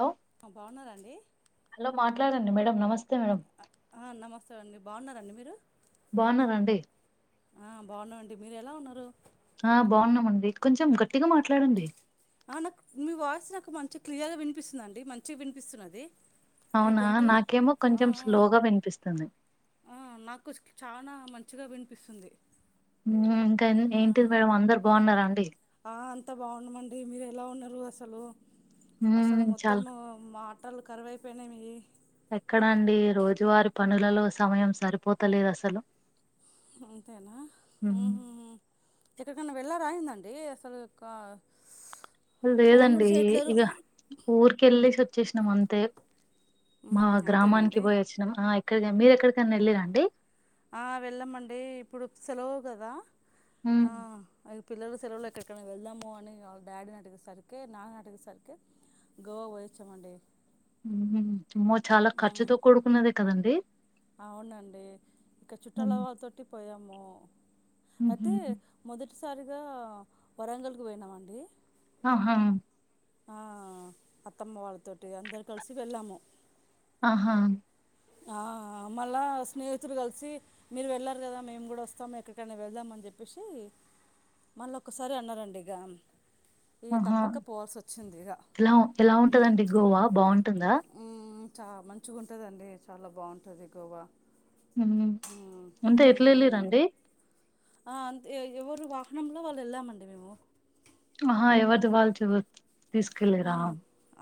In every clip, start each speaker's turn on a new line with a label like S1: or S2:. S1: Hello
S2: బాగున్నారా అండి
S1: hello మాట్లాడండి మేడం నమస్తే మేడం
S2: ఆ నమస్తే అండి బాగున్నారా అండి మీరు
S1: బాగున్నరా అండి
S2: ఆ బాగున్నాం అండి మీరు ఎలా ఉన్నారు
S1: ఆ బాగున్నామండి కొంచెం గట్టిగా మాట్లాడండి
S2: ఆ నాకు మీ వాయిస్ నాకు మంచి క్లియర్ గా వినిపిస్తుందిండి మంచిగా వినిపిస్తున్నది మీ
S1: అవునా
S2: గొంతు
S1: నాకేమో
S2: ఆ,
S1: కొంచెం
S2: ఆ,
S1: స్లోగా వినిపిస్తుంది
S2: చానా మంచిగా వినిపిస్తుంది
S1: ఇంకా ఏంటిది మేడం అందరు బాగున్నారా అండి
S2: అంత బాగుండమండి మీరు ఎలా ఉన్నారు అసలు అసలు
S1: మ్మ్ చాలా
S2: మొత్తము మా మాటలు కరువై పోయినాయిమియి
S1: లలో సమయం సరిపోతలేదు అసలు
S2: అంతేనా
S1: మ్మ్
S2: హుహుహు ఎక్కడి కన్న వెళ్ళరా ఎందండి అసలు కా
S1: అది
S2: ఫోన్ కూడా
S1: లేదండి
S2: చేయట్లేరు
S1: ఇక ఊరికి వెళ్ళసి వచ్చేసినాం అంతే మా
S2: ఉహు, అంతేనండి
S1: గ్రామానికి పోయి వచ్చినాం ఆ ఎక్కడికే మీరెక్కడికైనా వెళ్ళరా అండి
S2: ఆ వెళ్ళమండి ఇప్పుడు సెలవు కదా
S1: మ్మ్
S2: ఆ పిల్లలు సెలవుల్లో ఎక్కడికైనా వెళ్దాము అని వాళ్ళ డాడీ నడిగే సరికే నాన్న నాడిగే సరికే గోవా పోయ్యేంచా మండి
S1: అమ్మో చాలా ఖర్చుతో కూడుకున్నదే కదండి
S2: అవునండి ఇక చుట్టల
S1: మ్మ్
S2: వాళ్ళతోటి పోయాము అయితే మొదటిసారిగా వరంగల్ కి పోయినాం అండి
S1: ఆహా
S2: ఆ అత్తమ్మ వాళ్ళతోటి అందరు కలిసి వెళ్ళాము
S1: ఆహా
S2: ఆ మళ్లా స్నేహితులు కలిసి మీరు వెళ్ళారు కదా మేము కూడా వస్తాము ఎక్కడికైనా వెళ్దాం అని చెప్పేసి మళ్ల ఒక్కసారి అన్నారు అండి ఇగా
S1: ఆహా ఎలా ఎలా ఉంటదండి గోవా బావుంటుందా
S2: ఆ మంచిగా ఉంటదండి చాలా బావుంటది గోవా
S1: ఉమ్
S2: మ్మ్,
S1: అంటే ఎట్లా వెళ్ళిరు
S2: మ్మ్.
S1: అండి
S2: ఆ అంతే ఎవరు వాహనంలో వాళ్లు ఎళ్ళామండి మేము
S1: ఆహా ఎవరిది వాల్ది తీసుకెల్లరా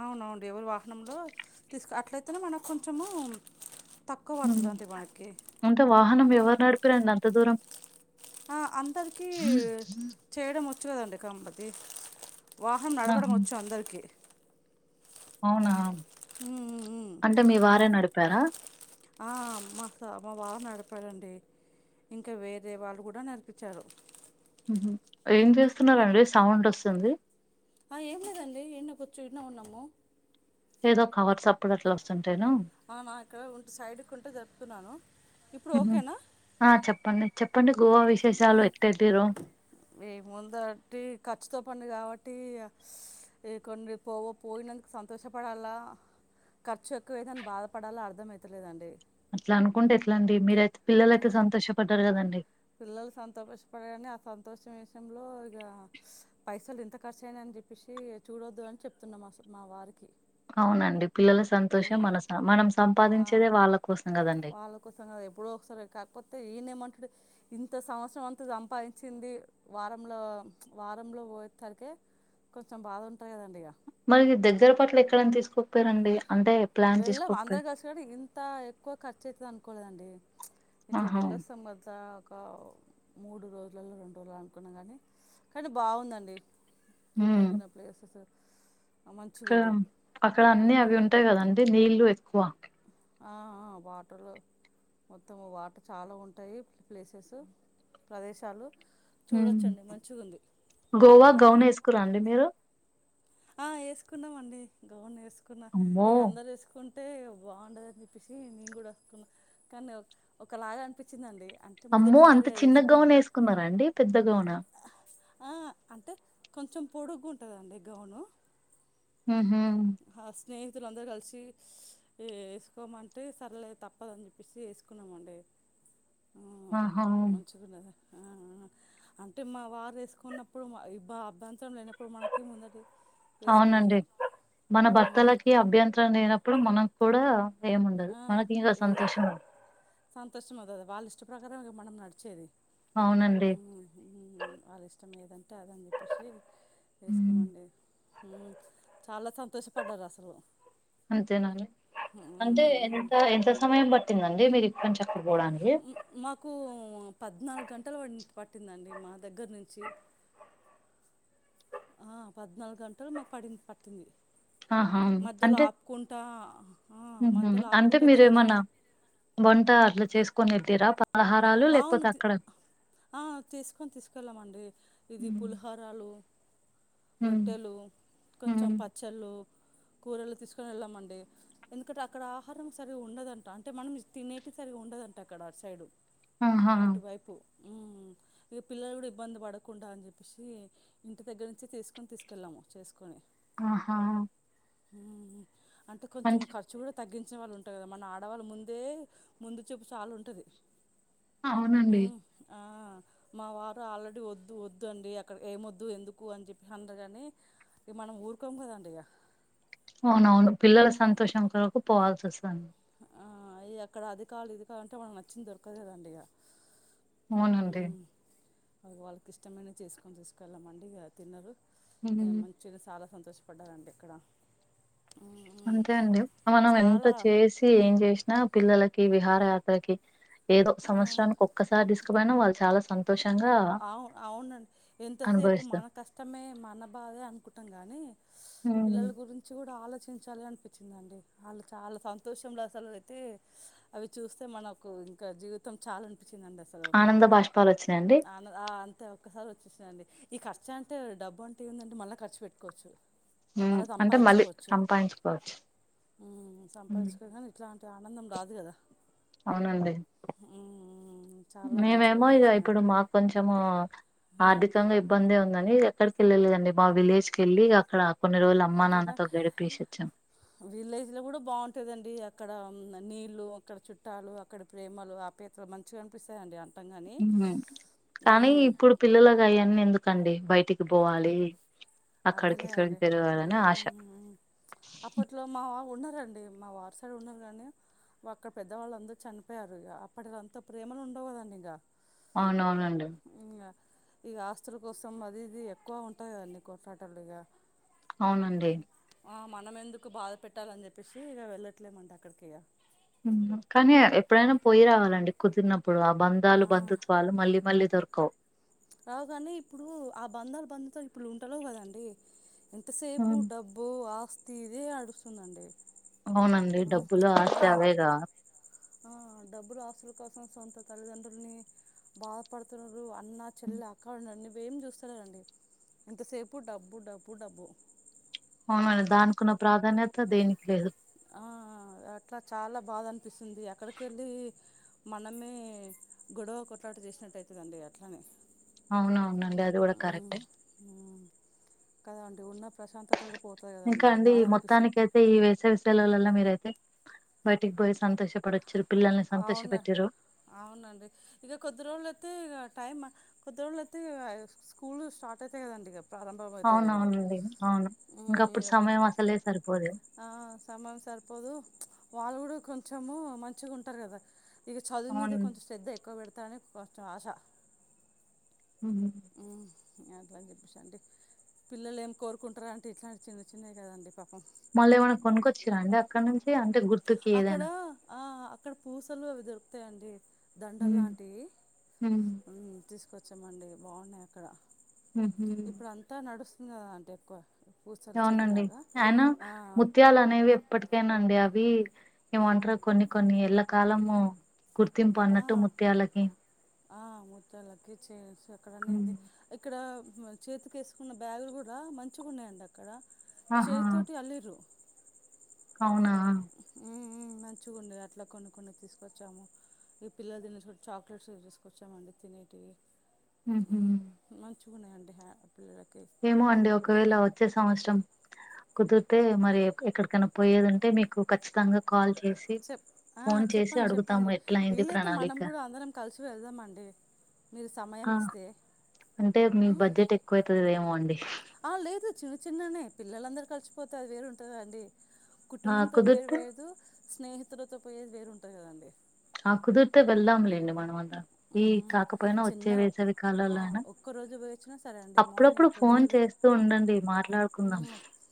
S2: అవునవును ఎవరు వాహనంలో తీసుకు అట్లయితేనే మనకు కొంచము
S1: ఉమ్ అంటే వాహనం ఎవరు నడిపిరు అండి అంత దూరం
S2: అందరికీ చేయడం వచ్చు కదండి కంపతి వాహనం నడపడం
S1: ఆహా!
S2: వచ్చు అందరికి
S1: అవునా
S2: ఉమ్, ఉమ్, ఉమ్.
S1: అంటే మీ వారే నడిపారా
S2: ఆ మా సా మా వారు నడిపాడండి ఇంకా వేరే వాళ్ళు కూడా నడిపించారు
S1: ఉమ్ హు ఏం చేస్తున్నారండి సౌండ్ వస్తుంది
S2: ఆ ఏం లేదండి ఈన్నే కూర్చు ఈన్నే ఉన్నాము
S1: ఏదో కవర్ సప్పుడు అట్లా వస్తుంది
S2: అవునా ఇక్కడ ఉ సైడ్కు ఉంటే జరుప్తున్నాను ఇప్పుడు
S1: హుహు.
S2: ఓకేనా
S1: ఆ! చెప్పండి. చెప్పండి గోవా విశేషాలు ఎట్టెళ్ళిర్రు?
S2: ఏ ముందటి ఖర్చుతో పని కావ ట్టి ఇగా కొన్ని పో పోయినందుకు సంతోషపడాలా ఖర్చు ఎక్కువ అయితాంది బాధపడాల అర్ధంమయితలేదండి
S1: అట్లా అనుకుంటే ఎట్ల అండి మీరైతే పిల్లలైతే
S2: ఆ.
S1: సంతోషపడ్డారు కదండి
S2: పిల్లలు సంతోషపడారని ఆ సంతోషం విషయంలో ఇగా పైసలు ఎంత ఖర్చు అయినాయని చూసి చూడొద్దు అని చెప్తున్నా మా సా మా వారి
S1: అవునండి పిల్లల సంతోషం
S2: మ్మ్.
S1: మనసా మనం సంపాదించేదే వాళ్ళ కోసం కదండి
S2: ఒక్కోసారి ఎప్పుడో ఒక సారీ కాకపోతే ఇప్పుడు [inaudible] ఇంత సంవత్సరం అంతా సంపాదించింది వారంల వారంలో పోయేతరికే కొంచెం బాధ ఉంటది కదా అండి ఇగ
S1: మరి మీ దగ్గర పట్ల ఎక్కడన్నా తీసుకోకపోయారండి అంటే ప్లాన్
S2: వెళ్ళాం అందరు
S1: చేసుకోకపోయారు
S2: కలిసినప్పుడు ఇంత ఎక్కువ ఖర్చు అయితది అనుకోలేదండి ఇట్లా
S1: ఆహా
S2: వెళ్ళొస్తాం మజాక్ మూడు రోజులల్లో రెండు రోజులో అనుకున్నా కానీ కానీ బాగుందండి చూడదగిన ప్లేసెస్ మంచిగా
S1: అక్క
S2: ఉంది
S1: అక్కడ అన్ని అవి
S2: మ్మ్.
S1: ఉంటాయి కదండి నీళ్ళు ఎక్కువ
S2: ఆ ఆ వాటరు మొత్తం వాటర్ చాలా ఉంటాయి ప్లేసెస్ ప్రదేశాలు
S1: ఉమ్
S2: చూడొచ్చండి మంచిగా ఉంది
S1: గోవా గౌన్
S2: మ్మ్.
S1: వేసుకుర్రా అండి మీరు
S2: ఆ ఏసుకున్నామండి గౌన్ ఏసుకున్నా
S1: అమ్మో
S2: ఇగ అందరు ఏసుకున్ అంటే బాగుండదని చెప్పేసి నేను కూడా ఏసుకున్న కానీ ఒకలాగా అనిపించిందండి
S1: అమ్మో అంత చిన్న గౌన్ ఏసుకున్నారా అండి పెద్దగౌనా
S2: ఆ అంటే కొంచెం పొడుగు ఉంటుందండి గౌను
S1: హ్మ్
S2: స్నేహితులు అందరు కలిసి వేసుకోమంటే సర్లే తప్పదని చెప్పేసి వేసుకున్నామండి [inaudible]
S1: ఆహా
S2: ఆ అంటే మా వారు వేసుకున్నప్పుడు మా ఇబ్బా అబ్బ ఇష్టం లేనప్పుడు మనకి ముందటి
S1: అవునండి
S2: వేసుకున్నాగా
S1: మన భర్తలకి అభ్యంతరం లేనప్పుడు మనం కూడా ఏం ఉండదు
S2: ఆ,
S1: మనకి ఇగా
S2: ఏ
S1: సంతోషము
S2: సంతోషం అవుతాది వాళ్ళ ఇష్ట ప్రకారమే కదా మనం నడిచేది
S1: అవునండి
S2: ఉమ్, ఉమ్, వాళ్ళ ఇష్టం ఏదంటే అదని చెప్పేసి
S1: ఉమ్
S2: వేసుకోమండి చాలా సంతోషపడ్డారు అసలు
S1: అంతేనండి
S2: ఉమ్, ఉమ్,
S1: అంటే
S2: ఉమ్.
S1: ఎంత ఎంత సమయం పట్టిందండి మీరు ఇక్కడి నుంచి అక్కడ పోవడానికి
S2: ఉమ్, మాకు పద్నాలుగు గంటలు పట్టిందండి మా దగ్గర నుంచి ఆ పద్నాలుగు గంటలు మాకు పడింది పట్టింది
S1: ఆహా
S2: మధ్యలో
S1: అంటే
S2: ఆపుకుంటా ఆ, మధ్యలో
S1: అంటే
S2: ఆపుకుంటా
S1: మీరేమన్నా
S2: తినడము
S1: వంట అట్లా చేసుకునేంటిరా
S2: అవును ఆ తీసుకొని తీసుకెళ్ళామండి ఇది పులిహోరలు
S1: ఉమ్
S2: రొట్టెలు కొంచెం
S1: ఉమ్
S2: పచ్చడులు కూరలు తీసుకొని వెళ్ళామండి ఎందుకంటే అక్కడ ఆహారం సరిగా ఉండదంట అంటే మనం తినేటి సరిగా ఉండదు అంట అంట అక్కడ అటు సైడు
S1: ఆహా
S2: అటువైపు మ్మ్ ఇక పిల్లలు కూడా ఇబ్బంది పడకుండా అని చెప్పేసి ఇంటి దగ్గర నుంచే చేసుకొని తీసుకెళ్ళాము చేసుకొని
S1: ఆహా
S2: అంటే కొంచెం ఖర్చు కూడా తగ్గించిన వాళ్ళు ఉంటుంది కదా మన ఆడవాళ్ళ ముందే ముందు చపు చాలు ఉంటుంది
S1: అవునండి
S2: మ్మ్ ఆ మా వారు ఆల్రెడీ వద్దు వద్దు అండి అక్కడ ఏమి వద్దు ఎందుకు అని చెప్పిన్నారు కాని ఇక మనం ఊరుకోం కదండి ఇగా
S1: అవునవును పిల్లల సంతోషం కొరకు పోవాల్సి వస్తుంది
S2: అ ఎక్కడ అది కావాలి ఇది కావాలి అంటే మనకి నచ్చింది దొరకదు కద అండి ఇక
S1: అవునండి
S2: వాళ్ వాళ్ళకి ఇష్టమైన చేసుకొని తీసుకెళ్ళామండి ఇగా తినరు
S1: ఉమ్
S2: మంచిగా సాల సంతోషపడ్డారండి ఇక్కడ
S1: అంతే అండి మనం ఎంత
S2: చాలా
S1: చేసి ఏం చేసినా పిల్ల విహారయాత్రకి ఏదో సంవత్సరానికి ఒక్కసారి తీసుకు పోయినా వాళ్ళు చాలా సంతో
S2: అవును అవునండి ఎంతసేపు మన
S1: అనుభవిస్తారు
S2: కష్టమే మన బాధే అనుకుంటాం గాని పిల్లల
S1: ఉమ్
S2: గురించి కూడా ఆలో చించాలి అనిపించిందిండి వాళ్ళు చాలా సంతోషంలో అసలు అయితే అవి చూస్తే మనకు ఇంకా జీవితం చాలు
S1: ఆనంద బాష్పాలు వచ్చినాయి
S2: అ అంతే ఒక్కసారి వచ్చేసా అండి ఈ ఖర్చు అంటే డబ్బు అంటే ఏం ఉంది మళ్ళీ ఖర్చు పెట్టుకోవచ్చు మళ
S1: మ్మ్ అంటే మళ్ళీ
S2: సంపాదించుకోవచ్చు
S1: సంపాదించుకోవచ్చు
S2: సంపాదించుకో కానీ ఇట్లా ఆనందం రాదు కదా
S1: అవునండి
S2: ఊ ఊ
S1: మేమేమో ఇది ఇప్పుడు మాకు కొంచం ఆర్థికంగా ఇబ్బంద ఉందని ఎక్కడికికెళ్ళ లేదండి మా విలేజ్ కి వెళ్ళి అక్కడ కొన్ని రోజులు అమ్మా నాన్నతో గడిపేసి వచ్చాం
S2: విలేజ్ లో కూడా బాగుంటాదండి అక్కడ నీలు అక్కడ చుట్టాలు అక్కడ ప్రేమలు ఆపేత్ర మంచిగా అనిపిస్తయండి అన్
S1: కానీ ఇప్పుడు పిల్లలలకు అయన్ని ఎందుకండి బయటికి పోవాలి అక్కడికి
S2: అదేలే
S1: ఇక్కడికి
S2: అండి
S1: తిరగాలని ఆశ
S2: మ్మ్ అండి మా వారి సైడ్ ఉన్నారు కానీ అక్కడ పెద్దవాళ్ళు అందరు చనిపోయారు ఇంక అప్పటి అంతా ప్రేమలు ఉండవు కదండి ఇంక
S1: అవునవునండి
S2: ఇగ ఆస్తుల కోసం అది ఇది ఎక్కువ ఉంటాది కొట్లాటాలు ఇక
S1: అవునండి
S2: ఆ మనం ఎందుకు బాధ పెట్టాలని చెప్పేసి ఇక వెళ్ళట్లేమండి అక్కడికి ఇక
S1: ఏమో కానీ ఎప్పుడైనా పోయి రావాలండి కుదిరిన ప్పుడు ఆ బంధాలు
S2: ఆ,
S1: బంధుత్వాలు మళ్ళీ మళ్ళీ దొరకవు
S2: రావు కనే ఇప్పుడు ఆ బంధాలు బంధుత్వాలు ఇప్పుడు ఉంటలెవ్ కదండి ఇంతసేపు
S1: ఉమ్
S2: డబ్బు ఆస్తి ఇదే అడుస్తుందండి
S1: అవునండి డబ్బులు ఆస్తీ అవేగా
S2: ఆ డబ్బులు ఆస్తుల కోసం సొంత తల్లిదండ్రులని బాధపడుతున్నారు అన్న చెల్ అక్క ఉండండి నువ్వేం చూస్తాలేరండి ఎంతసేపు డబ్బు డబ్బు డబ్బు
S1: అవునండి దానికున్న ప్రాధాన్యత దేనికి లేదు
S2: ఆ అట్లా చాలా బాధ అనిపిస్తుంది ఎక్కడికి వెళ్ళి మనమే గొడవ కొట్లాట చేసినట్టు ఐతదండి అట్లనే
S1: అవునవునండి అది కూడా
S2: మ్మ్
S1: కరెక్ట్ ఏ
S2: మ్మ్ కదా అండి ఉన్న ప్రశాంత
S1: ఇంకా అండి మొత్తానికికైతే ఈ వేసవి సెలవుల ల మీరైతే బయటికి పొయి సంతోష పడొచ్చు
S2: అవున అవునండి ఇక కొద్ది రోజుల అయితే ఇక టైమ్ కొద్ది రోజులు అయితే ఇగ ఇగ స్కూల్ స్టార్ట్ అయితయి కదండి ఇగ
S1: అవునవునండి అవును
S2: ఉమ్,
S1: ఇంకప్పుడు
S2: ఇక
S1: సమయం అసలే సరిపోదు
S2: ఆ సమయం సరిపోదు వాళ్ళు కూడా కొంచెము మంచిగా ఉంటారు కదా ఇక చదువు మీద
S1: అవును
S2: కొంచెం శ్రద్ధ ఎక్కువ పెడత తని కొంచం ఆశా
S1: ఊ
S2: అట్లాని చెప్పేసి అండి పిల్లలు ఏం కోరుకుంటార అండి ఇట్లాంటి చిన్న చిన్నవి కదండి పాపం
S1: మళ్ళీ ఏమైనా కొనుక్కొచ్చిరా అండి అక్కడి నుంచి అంటే గుర్తు
S2: అక్కడ ఆ అక్కడ పూసలు అవి దొరుకుతాయిండి దండల్
S1: ఉమ్.
S2: లాంటివి
S1: ఉమ్.
S2: తీసుకొచ్చామండి బాగున్నాయి అక్కడ
S1: ఉహుం.
S2: ఇప్పుడు అంతా నడుస్తుంది కదా అండి ఎక్కువ పూసలు చైన్
S1: అవునండి
S2: లాగా
S1: అయినా
S2: ఆ
S1: ముత్యాలు అనేవి ఎప్పటికైనాండి అవి అ ఏమంటరు కొన్ని కొన్ని ఎళ్ల కాలము గుర్తింపు
S2: ఆ
S1: అన్నట్టు ముత్యాలకి
S2: ఆ మూత్తలకి చేయొచ్చు అక్కడనేంది
S1: ఉమ్.
S2: ఇక్కడ చేతికి వేసుకున్న బ్యాగులు కూడా మంచిగున్నాయండి అక్కడ
S1: ఆహా
S2: చేతోటి అల్లిరూ.
S1: అవునా
S2: ఉ ఉ మంచిగా ఉండే అట్లా కొన్ని కొన్ని తీసుకొచ్చాము. ఈ పిల్లలు తినేచు చాక్లెట్స్ తీసుకొచ్చామండి తినేకి.
S1: ఉహు
S2: మంచిగున్నాయండి హ్య
S1: ఏమో అండి ఒకవేళ వచ్చే సంవత్సరం కుదిరితే మరి ఎక్కడికైనా పోయేదింటే మీకు ఖచ్చితంగా కాల్ చే
S2: చెప్ ఆ చెప్పండి చెప్పండి
S1: ఎట్లా అయింది
S2: వీలు అయితే మనం
S1: ప్రణాళిక
S2: కూడా అందరం కలిస్ వెళదామండి
S1: ఆ అంటే మీ
S2: ఉమ్,
S1: బడ్జెట్ ఎక్కువైతదేమో అండి
S2: ఆ లేదు చిన్న చిన్ననే పిల్లలందరూ కలిసిపోతే అది వేరుంటందండి.
S1: ఆ
S2: కుటుంబంతో పోయేది
S1: కుదిరితే
S2: వేరు స్నేహితులతో పోయేది వేరు ఉంటాది కదండి.
S1: ఆ కుదుర్తే వెళ్లాలేండి మనం ఈ
S2: హ్మ్ హ్మ్
S1: కాకపోయినా వచ్చే
S2: చిన్నగా
S1: వేసేవి
S2: ఆ
S1: కాలల్లో అయినా అప్పుడప్పుడు ఫోన్
S2: ఏదోలే
S1: చేస్తూ ఉండండి మాట్లాడుకుందాం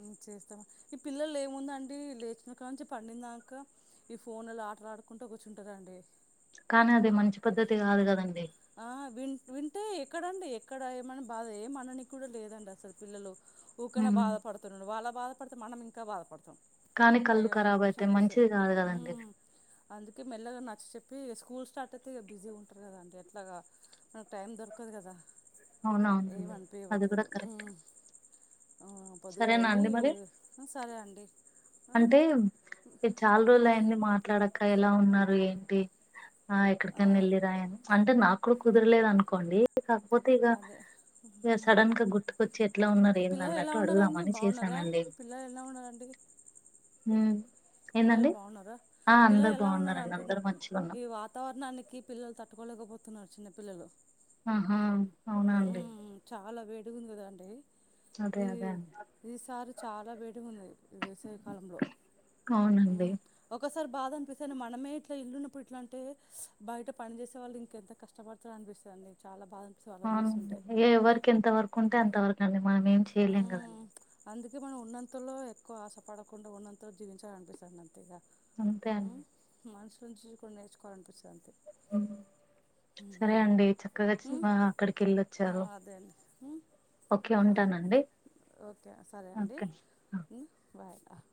S2: ఉమ్ చేస్తాం ఈ పిల్లలు ఏముందన్ డి లేచిన కానుంచి పండినదాక ఈ ఫోన్లలో ఆటలా ఆడుకుంటూ కూర్చుంటారండి.
S1: కానీ అది మంచి పద్ధతి కాదు కదండి
S2: ఆ విన్ వింటే ఎక్కడండి ఎక్కడ ఏమని బాధ ఏమనని కూడా లేదండి అసలు పిల్లలు ఊకేనే
S1: ఉమ్.
S2: బాధపడుతరండి వాళ్ళ బాధపడితే మనం ఇంకా బాధపడతాం.
S1: కానీ కళ్ళు
S2: అయ్యో అని
S1: కరాబ్
S2: చెప్పేసి
S1: అయితాయ్
S2: అనిపిస్తది
S1: మంచిది కాదు కదండి.
S2: మ్మ్ అందుకే మెల్లగా నచ్చ చెప్పి స్కూల్ స్టార్ట్ అయితే ఇగ బిజీ ఉంటారు కదండి. అట్లాగా నాకు టైం దొరకదు కదా
S1: అవునా
S2: ఏం
S1: అవునండి అది
S2: అనిపియవద్దు
S1: కూడా
S2: కదా
S1: కరెక్ట్
S2: మ్మ్ ఆ పొద్దుగాల
S1: సరేనా
S2: వెళ్ళి
S1: అండి మరి
S2: ఉ సరే అండి ఆ
S1: అంటే మీర్ చాలా రోజులు
S2: అదే
S1: అయింది మాట్లాడక ఎలా ఉన్నారు ఏంటి. ఆ ఎక్కడికైనా వెళ్ళిరాయని అంటే నాకు కుదరలేదు అనుకోండి. కాకపోతే ఇగా
S2: అదే
S1: ఇగ
S2: ఉమ్,
S1: సడన్గా గుర్తుకొచ్చి ఎట్లా ఉన్నారు ఏందన్నట్టు అడుగుదామని చేశాను.
S2: ఆ పిల్లలు ఎలా ఉన్నారండి
S1: ఉ
S2: పిల్లలు
S1: ఏందండి
S2: బాగున్నారా
S1: ఆ
S2: పిల్లలు
S1: అందరు
S2: ఎలా ఉన్నారు
S1: బాగున్నారండి
S2: అంటున్నా
S1: అందరు మంచ్
S2: ఈ వాతావరణానికి పిల్లలు తట్టుకోలేకపోతున్నారు చిన్నపిల్లలు.
S1: ఆహా అవునా అండి
S2: వేడిగుంది కాదండి
S1: అదే
S2: ఈ
S1: అదే అండి
S2: ఈ సర్ చాలా వేడిగున్నది వేసవి కాలంలో ఉ
S1: అవునండి
S2: ఒకస్ సార్ బాధ అనిపిస్తాను మనే ఇట్లా ఇల్లున్నప్పుడు ఇట్లాంటే, బయట పని చేసే వాళ్లు ఇంకెంత కష్టపడతారు అనిపి స్తంది చాలా బాద
S1: అవునండి ఎవరికి ఎంత వరకు ఉంటే అంత వరకు అండి మనం ఏం చేయలేం
S2: మ్మ్
S1: కదండి.
S2: అందుకే మనం ఉన్నంతలో ఎక్కువ ఆశపడకుండా ఉన్నంతలో జీవించాలని అనిపిస్తంది అంతేగా.
S1: అంతే అండి
S2: కొంచు కొన్ని నేర్చువాలనిపిస్తుంది
S1: ఉ సరే అండి చక్కగా చు
S2: మ్మ్
S1: అక్కడికి వెళ్ళి
S2: ఆ
S1: వచ్చారు.
S2: అదే అండి మ్మ్
S1: ఓకే
S2: ఆ
S1: ఉంటాను
S2: ఓకే సరే అండి
S1: ఆ
S2: బాయ్ ఆ.